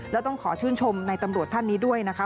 แล้วต้องขอชื่นชมในตำรวจท่านนี้ด้วยนะคะ